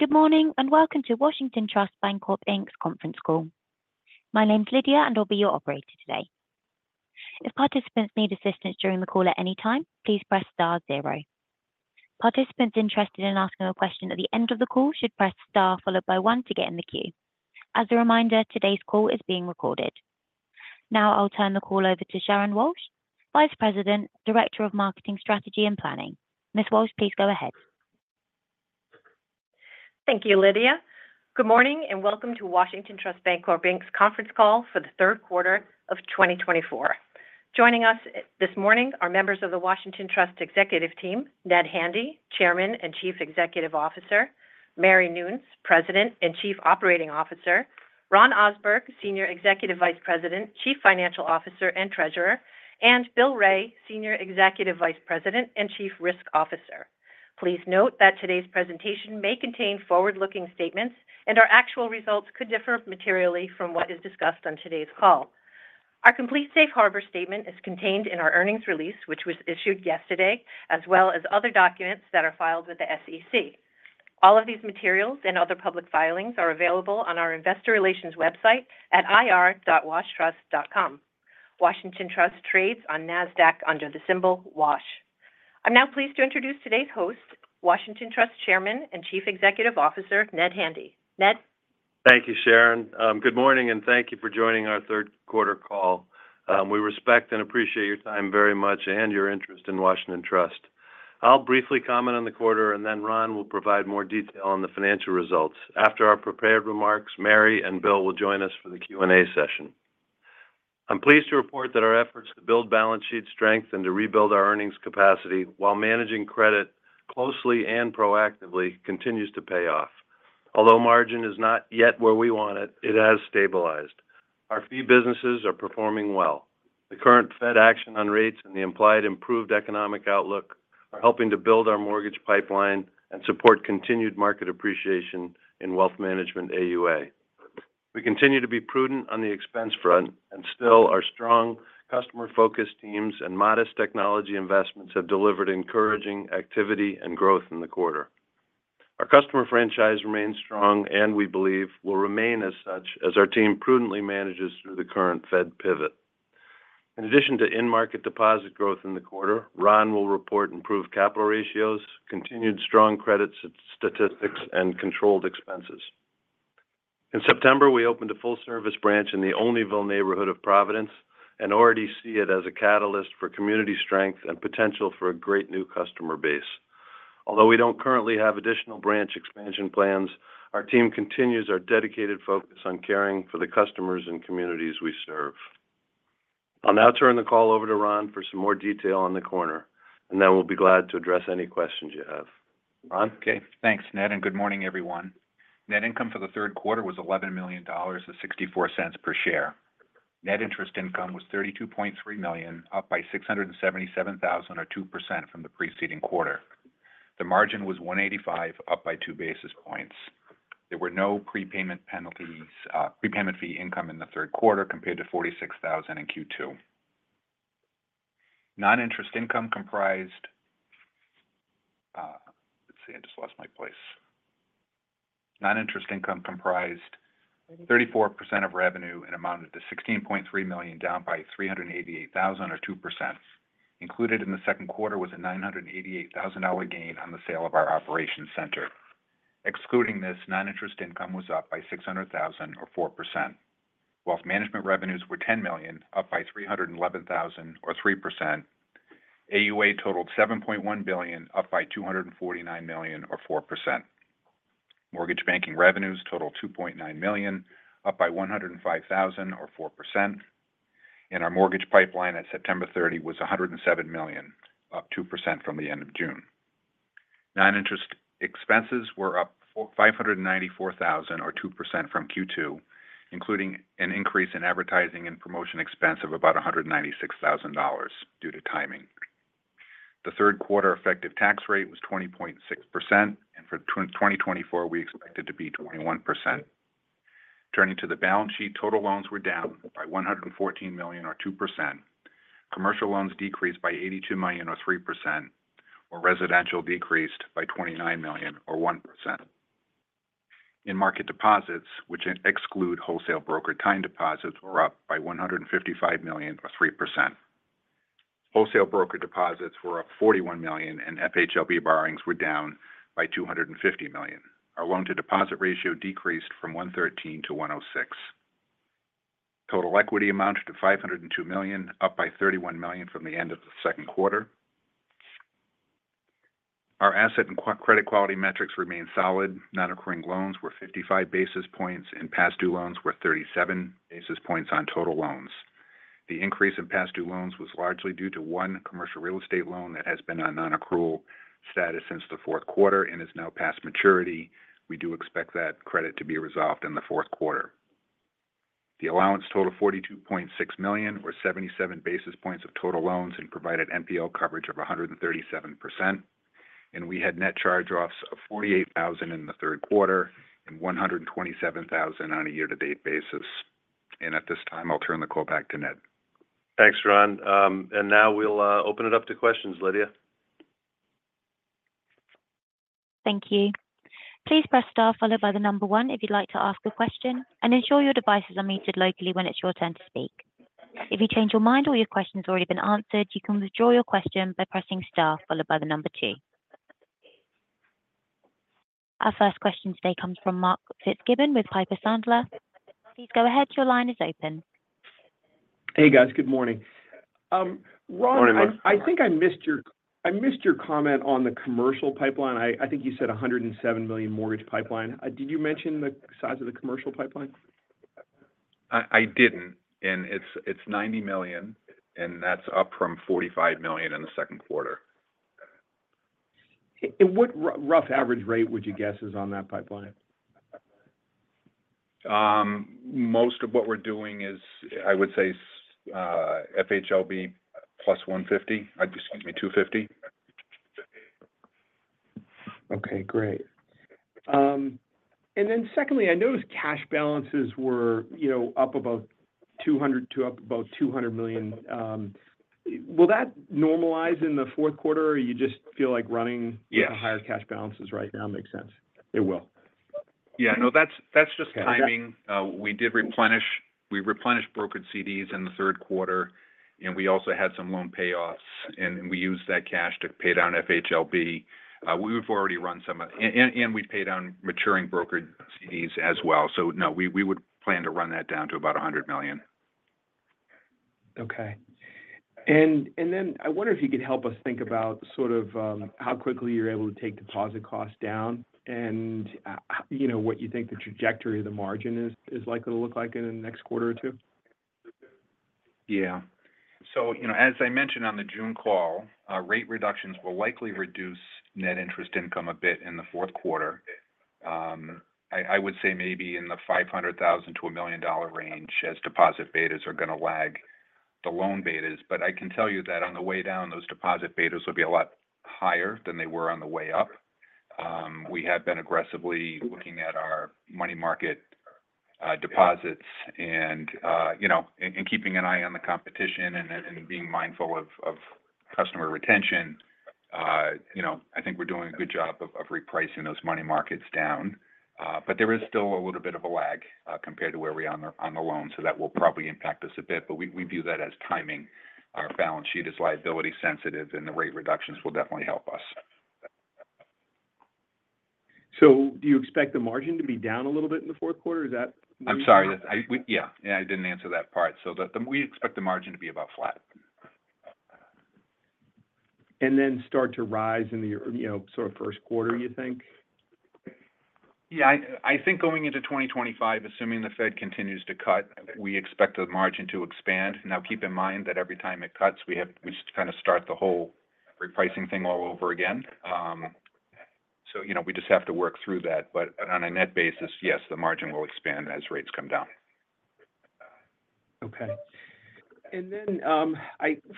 Good morning, and welcome to Washington Trust Bancorp, Inc.'s Conference Call. My name is Lydia, and I'll be your operator today. If participants need assistance during the call at any time, please press star zero. Participants interested in asking a question at the end of the call should press star followed by one to get in the queue. As a reminder, today's call is being recorded. Now I'll turn the call over to Sharon Walsh, Vice President, Director of Marketing Strategy and Planning. Ms. Walsh, please go ahead. Thank you, Lydia. Good morning, and welcome to Washington Trust Bancorp Inc's Conference Call for the Third Quarter of 2024. Joining us this morning are members of the Washington Trust executive team, Ned Handy, Chairman and Chief Executive Officer, Mary Noons, President and Chief Operating Officer, Ron Ohsberg, Senior Executive Vice President, Chief Financial Officer, and Treasurer, and Bill Wray, Senior Executive Vice President and Chief Risk Officer. Please note that today's presentation may contain forward-looking statements and our actual results could differ materially from what is discussed on today's call. Our complete safe harbor statement is contained in our earnings release, which was issued yesterday, as well as other documents that are filed with the SEC. All of these materials and other public filings are available on our investor relations website at ir.washtrust.com. Washington Trust trades on Nasdaq under the symbol WASH. I'm now pleased to introduce today's host, Washington Trust Chairman and Chief Executive Officer, Ned Handy. Ned? Thank you, Sharon. Good morning, and thank you for joining our third quarter call. We respect and appreciate your time very much and your interest in Washington Trust. I'll briefly comment on the quarter, and then Ron will provide more detail on the financial results. After our prepared remarks, Mary and Bill will join us for the Q&A session. I'm pleased to report that our efforts to build balance sheet strength and to rebuild our earnings capacity while managing credit closely and proactively continues to pay off. Although margin is not yet where we want it, it has stabilized. Our fee businesses are performing well. The current Fed action on rates and the implied improved economic outlook are helping to build our mortgage pipeline and support continued market appreciation in wealth management AUA. We continue to be prudent on the expense front and still our strong customer-focused teams and modest technology investments have delivered encouraging activity and growth in the quarter. Our customer franchise remains strong and we believe will remain as such as our team prudently manages through the current Fed pivot. In addition to in-market deposit growth in the quarter, Ron will report improved capital ratios, continued strong credit statistics, and controlled expenses. In September, we opened a full-service branch in the Olneyville neighborhood of Providence and already see it as a catalyst for community strength and potential for a great new customer base. Although we don't currently have additional branch expansion plans, our team continues our dedicated focus on caring for the customers and communities we serve. I'll now turn the call over to Ron for some more detail on the quarter, and then we'll be glad to address any questions you have. Ron? Okay. Thanks, Ned, and good morning, everyone. Net income for the third quarter was $11 million and $0.64 per share. Net interest income was $32.3 million, up by $677,000 or 2% from the preceding quarter. The margin was 1.85%, up by 2 basis points. There were no prepayment penalties, prepayment fee income in the third quarter compared to $46,000 in Q2. Non-interest income comprised 34% of revenue and amounted to $16.3 million, down by $388,000 or 2%. Included in the second quarter was a $988,000 gain on the sale of our operations center. Excluding this, non-interest income was up by $600,000 or 4%, while management revenues were $10 million, up by $311,000 or 3%. AUA totaled $7.1 billion, up by $249 million or 4%. Mortgage banking revenues totaled $2.9 million, up by $105,000 or 4%, and our mortgage pipeline at September 30 was $107 million, up 2% from the end of June. Non-interest expenses were up $594,000 or 2% from Q2, including an increase in advertising and promotion expense of about $196,000 due to timing. The third quarter effective tax rate was 20.6%, and for 2024, we expect it to be 21%. Turning to the balance sheet, total loans were down by 114 million or 2%. Commercial loans decreased by 82 million or 3%, while residential decreased by 29 million or 1%. In-market deposits, which exclude wholesale brokered time deposits, were up by 155 million or 3%. Wholesale broker deposits were up 41 million, and FHLB borrowings were down by 250 million. Our loan-to-deposit ratio decreased from 113 to 106. Total equity amounted to 502 million, up by 31 million from the end of the second quarter. Our asset and credit quality metrics remain solid. Non-accrual loans were 55 basis points, and past due loans were 37 basis points on total loans. The increase in past due loans was largely due to one commercial real estate loan that has been on non-accrual status since the fourth quarter and is now past maturity. We do expect that credit to be resolved in the fourth quarter. The allowance total, $42.6 million, or 77 basis points of total loans and provided NPL coverage of 137%. And we had net charge-offs of $48,000 in the third quarter and $127,000 on a year-to-date basis. And at this time, I'll turn the call back to Ned. Thanks, Ron. And now we'll open it up to questions, Lydia. Thank you. Please press star followed by the number one if you'd like to ask a question, and ensure your devices are muted locally when it's your turn to speak. If you change your mind or your question's already been answered, you can withdraw your question by pressing star followed by the number two. Our first question today comes from Mark Fitzgibbon with Piper Sandler. Please go ahead. Your line is open. Hey, guys. Good morning. Ron- Morning, Mark. I think I missed your comment on the commercial pipeline. I think you said a $107 million mortgage pipeline. Did you mention the size of the commercial pipeline? I didn't, and it's $90 million, and that's up from $45 million in the second quarter. What rough average rate would you guess is on that pipeline? Most of what we're doing is, I would say, FHLB plus 150, excuse me, 250. Okay, great. And then secondly, I noticed cash balances were, you know, up about $200 million. Will that normalize in the fourth quarter, or you just feel like running- Yes... the higher cash balances right now makes sense? It will. Yeah, no, that's, that's just timing. We replenished brokered CDs in the third quarter, and we also had some loan payoffs, and we used that cash to pay down FHLB. We've paid down maturing brokered CDs as well. So no, we would plan to run that down to about $100 million. Okay. And then I wonder if you could help us think about sort of how quickly you're able to take deposit costs down and, you know, what you think the trajectory of the margin is likely to look like in the next quarter or two? Yeah. So, you know, as I mentioned on the June call, rate reductions will likely reduce net interest income a bit in the fourth quarter. I would say maybe in the $500,000-$1 million range as deposit betas are going to lag the loan betas. But I can tell you that on the way down, those deposit betas will be a lot higher than they were on the way up. We have been aggressively looking at our money market deposits and, you know, and keeping an eye on the competition and being mindful of customer retention. You know, I think we're doing a good job of repricing those money markets down. But there is still a little bit of a lag, compared to where we are on the loan, so that will probably impact us a bit. But we view that as timing. Our balance sheet is liability sensitive, and the rate reductions will definitely help us. So do you expect the margin to be down a little bit in the fourth quarter, or is that? I'm sorry. Yeah, I didn't answer that part. So, we expect the margin to be about flat. And then start to rise in the year, you know, sort of first quarter, you think? Yeah, I think going into twenty twenty-five, assuming the Fed continues to cut, we expect the margin to expand. Now, keep in mind that every time it cuts, we have, we just kind of start the whole repricing thing all over again. So, you know, we just have to work through that. But on a net basis, yes, the margin will expand as rates come down. Okay. And then,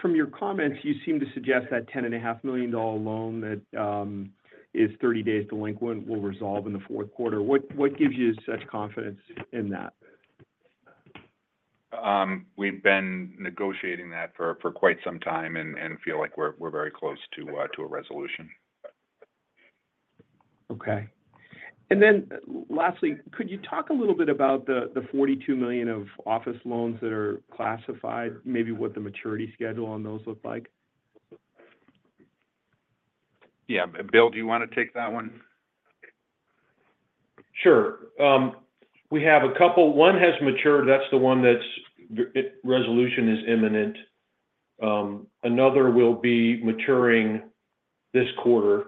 from your comments, you seem to suggest that $10.5 million loan that is 30 days delinquent will resolve in the fourth quarter. What, what gives you such confidence in that? We've been negotiating that for quite some time and feel like we're very close to a resolution. Okay. And then lastly, could you talk a little bit about the $42 million of office loans that are classified, maybe what the maturity schedule on those look like? Yeah. Bill, do you want to take that one? Sure. We have a couple. One has matured. That's the one that's resolution is imminent. Another will be maturing this quarter,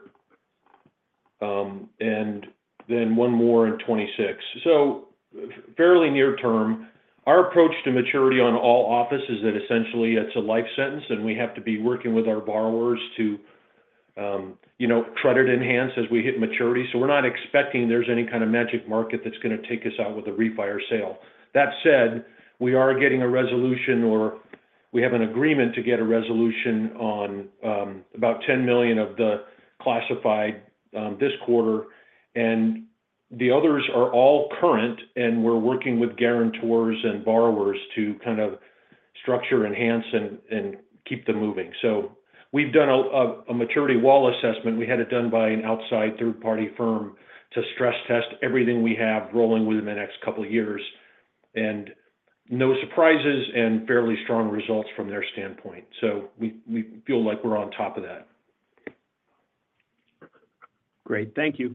and then one more in 2026. So fairly near term, our approach to maturity on all office is that essentially it's a life sentence, and we have to be working with our borrowers to, you know, credit enhance as we hit maturity. So we're not expecting there's any kind of magic market that's going to take us out with a refi or sale. That said, we are getting a resolution, or we have an agreement to get a resolution on, about $10 million of the classified, this quarter. And the others are all current, and we're working with guarantors and borrowers to kind of structure, enhance, and keep them moving. So we've done a maturity wall assessment. We had it done by an outside third-party firm to stress test everything we have rolling within the next couple of years, and no surprises and fairly strong results from their standpoint, so we feel like we're on top of that. Great. Thank you.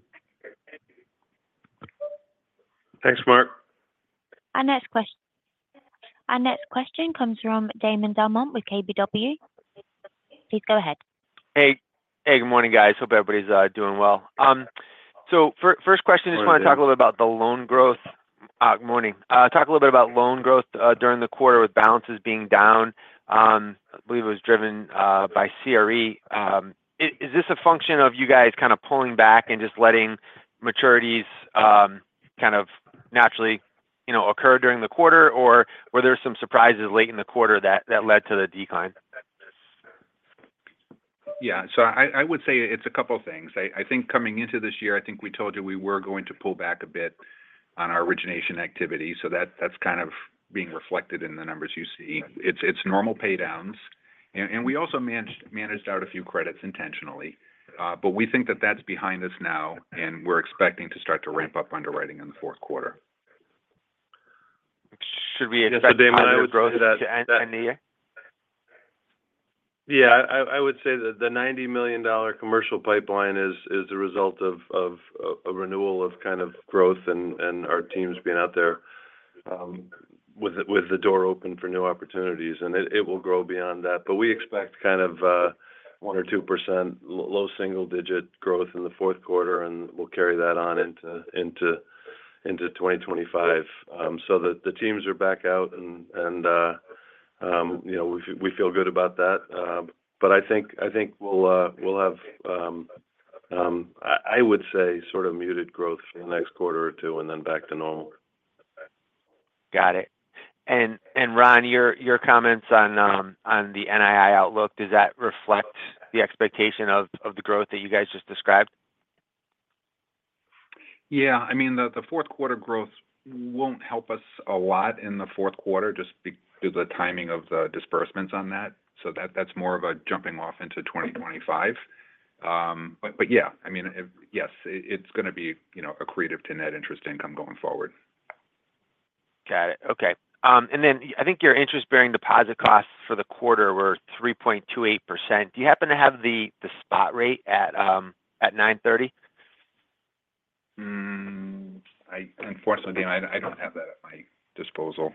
Thanks, Mark. Our next question comes from Damon DelMonte with KBW. Please go ahead. Hey, good morning, guys. Hope everybody's doing well. So first question- Morning, Damon. just want to talk a little bit about the loan growth. Good morning. Talk a little bit about loan growth during the quarter with balances being down. I believe it was driven by CRE. Is this a function of you guys kind of pulling back and just letting maturities kind of naturally, you know, occur during the quarter? Or were there some surprises late in the quarter that led to the decline? Yeah, so I would say it's a couple of things. I think coming into this year, I think we told you we were going to pull back a bit on our origination activity, so that's kind of being reflected in the numbers you see. It's normal pay downs, and we also managed out a few credits intentionally. But we think that's behind us now, and we're expecting to start to ramp up underwriting in the fourth quarter. Should we expect higher growth to end in the year? Yeah, I would say that the $90 million commercial pipeline is a result of a renewal of kind of growth and our teams being out there, with the door open for new opportunities. And it will grow beyond that. But we expect kind of one or two percent, low single-digit growth in the fourth quarter, and we'll carry that on into 2025. So the teams are back out and, you know, we feel good about that. But I think we'll have. I would say sort of muted growth for the next quarter or two, and then back to normal. Got it. And Ron, your comments on the NII outlook, does that reflect the expectation of the growth that you guys just described? Yeah. I mean, the fourth quarter growth won't help us a lot in the fourth quarter just due to the timing of the disbursements on that. So that's more of a jumping off into twenty twenty-five. But yeah. I mean, it yes, it's gonna be, you know, accretive to net interest income going forward. Got it. Okay. And then I think your interest-bearing deposit costs for the quarter were 3.28%. Do you happen to have the spot rate at nine thirty? Unfortunately, I don't have that at my disposal.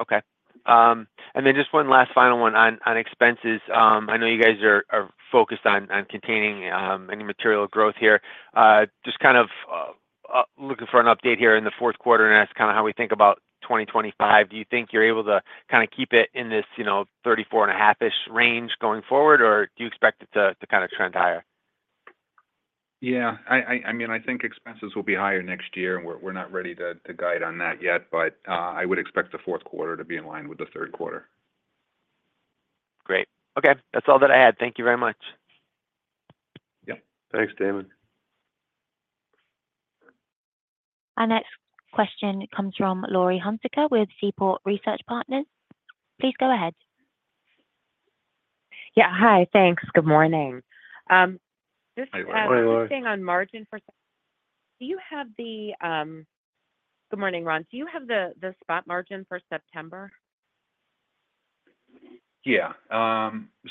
Okay. And then just one last final one on expenses. I know you guys are focused on containing any material growth here. Just kind of looking for an update here in the fourth quarter, and that's kinda how we think about twenty twenty-five. Do you think you're able to kinda keep it in this, you know, thirty-four and a half-ish range going forward, or do you expect it to kinda trend higher? Yeah, I mean, I think expenses will be higher next year, and we're not ready to guide on that yet. But, I would expect the fourth quarter to be in line with the third quarter. Great. Okay, that's all that I had. Thank you very much. Yeah. Thanks, Damon. Our next question comes from Laurie Hunsicker with Seaport Research Partners. Please go ahead. Yeah. Hi, thanks. Good morning. Hi, Laurie. Staying on margin for... Good morning, Ron. Do you have the spot margin for September? Yeah.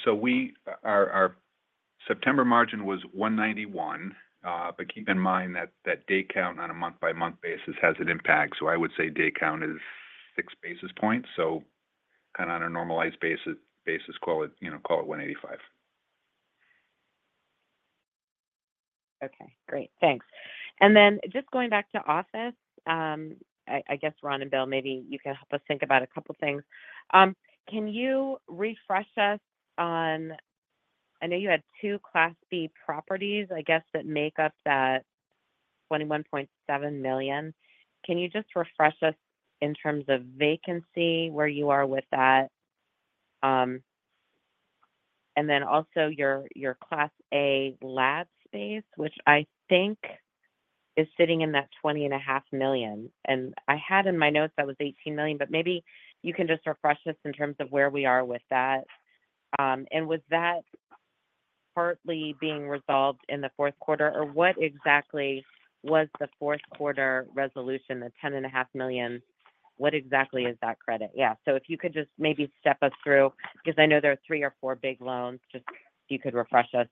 So our September margin was 191. But keep in mind that day count on a month-by-month basis has an impact, so I would say day count is six basis points. So kinda on a normalized basis, call it, you know, call it 185. Okay, great. Thanks. And then just going back to office, I guess, Ron and Bill, maybe you can help us think about a couple of things. Can you refresh us on. I know you had two Class B properties, I guess, that make up that $21.7 million. Can you just refresh us in terms of vacancy, where you are with that? And then also your Class A lab space, which I think is sitting in that $20.5 million. And I had in my notes that was $18 million, but maybe you can just refresh us in terms of where we are with that. And was that partly being resolved in the fourth quarter, or what exactly was the fourth quarter resolution, the $10.5 million? What exactly is that credit? Yeah. So, if you could just maybe step us through, because I know there are three or four big loans. Just if you could refresh us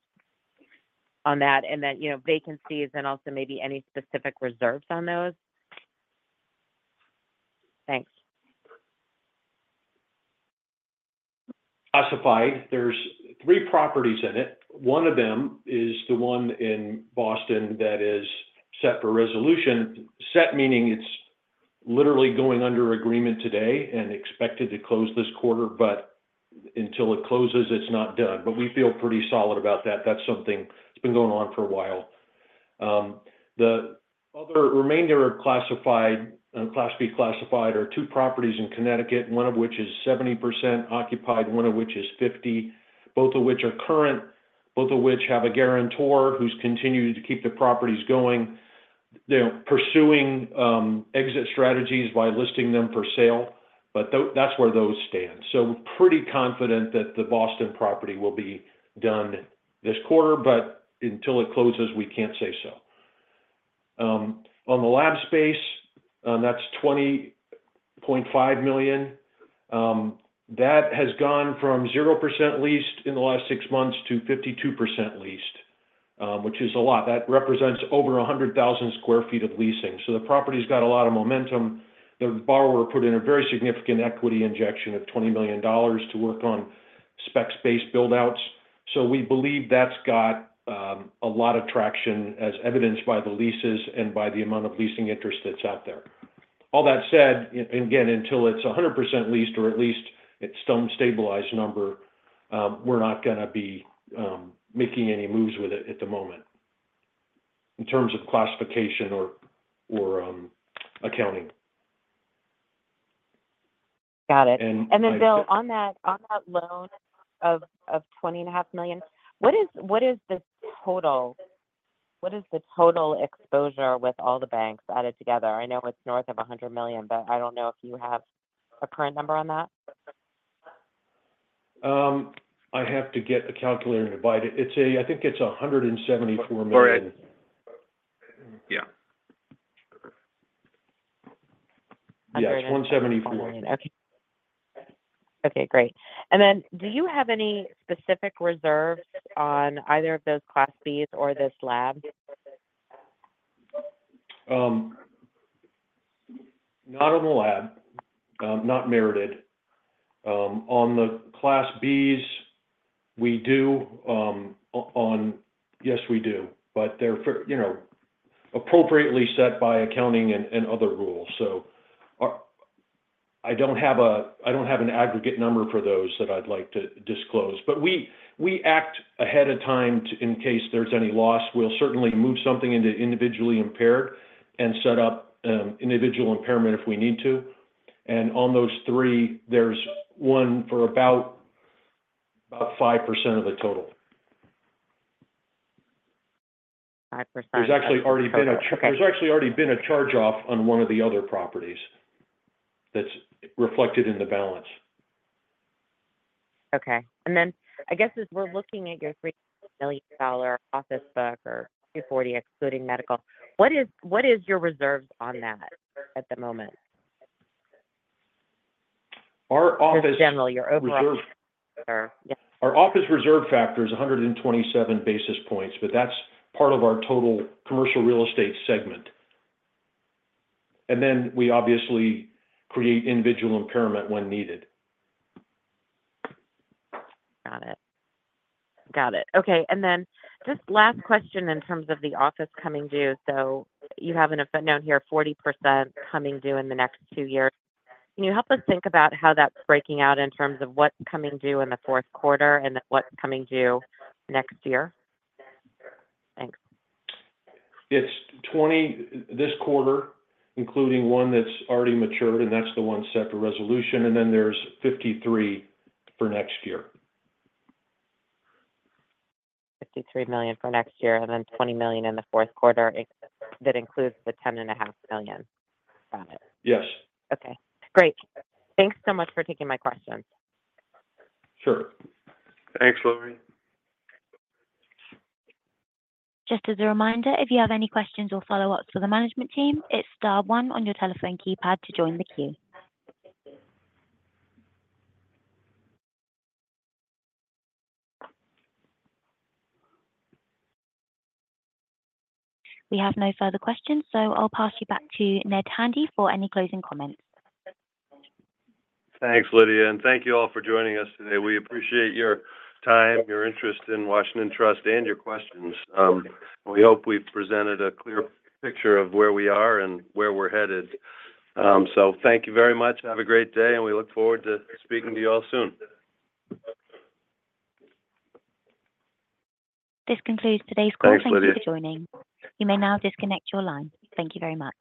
on that, and then, you know, vacancies and also maybe any specific reserves on those. Thanks. Classified. There's three properties in it. One of them is the one in Boston that is set for resolution. Set meaning it's literally going under agreement today and expected to close this quarter, but until it closes, it's not done. But we feel pretty solid about that. That's something that's been going on for a while. The other remainder of classified, Class B classified, are two properties in Connecticut, one of which is 70% occupied, one of which is 50%, both of which are current, both of which have a guarantor who's continued to keep the properties going. They're pursuing exit strategies by listing them for sale, but that's where those stand. So we're pretty confident that the Boston property will be done this quarter, but until it closes, we can't say so. On the lab space, that's $20.5 million. That has gone from 0% leased in the last six months to 52% leased, which is a lot. That represents over 100,000 sq ft of leasing. So the property's got a lot of momentum. The borrower put in a very significant equity injection of $20 million to work on specs-based build-outs. So we believe that's got a lot of traction, as evidenced by the leases and by the amount of leasing interest that's out there. All that said, and again, until it's 100% leased or at least it's some stabilized number, we're not gonna be making any moves with it at the moment in terms of classification or accounting. Got it. And then Bill, on that loan of $20.5 million, what is the total exposure with all the banks added together? I know it's north of $100 million, but I don't know if you have a current number on that. I have to get a calculator, but I think it's $174 million. All right. Yeah. Yes, 174. Okay. Okay, great. And then do you have any specific reserves on either of those Class Bs or this lab? Not on the loan, not merited. On the Class Bs, we do. Yes, we do, but they're for, you know, appropriately set by accounting and other rules. So, I don't have an aggregate number for those that I'd like to disclose. But we act ahead of time to, in case there's any loss. We'll certainly move something into individually impaired and set up individual impairment if we need to. And on those three, there's one for about 5% of the total. Five percent. There's actually already been a- There's actually already been a charge-off on one of the other properties that's reflected in the balance. Okay. And then I guess as we're looking at your $3 million office book or 240, excluding medical, what is your reserves on that at the moment? Our office- Just generally, your overall. Reserve. Our office reserve factor is 127 basis points, but that's part of our total commercial real estate segment. And then we obviously create individual impairment when needed. Got it. Got it. Okay, and then just last question in terms of the office coming due. So you have a note here, 40% coming due in the next two years. Can you help us think about how that's breaking out in terms of what's coming due in the fourth quarter and then what's coming due next year? Thanks. It's 20 this quarter, including one that's already matured, and that's the one set for resolution, and then there's 53 for next year. $53 million for next year, and then $20 million in the fourth quarter. It that includes the $10.5 million. Got it. Yes. Okay. Great. Thanks so much for taking my questions. Sure. Thanks, Laurie. Just as a reminder, if you have any questions or follow-ups for the management team, it's star one on your telephone keypad to join the queue. We have no further questions, so I'll pass you back to Ned Handy for any closing comments. Thanks, Lydia, and thank you all for joining us today. We appreciate your time, your interest in Washington Trust, and your questions. We hope we've presented a clear picture of where we are and where we're headed. So thank you very much. Have a great day, and we look forward to speaking to you all soon. This concludes today's call. Thanks, Lydia. Thank you for joining. You may now disconnect your line. Thank you very much.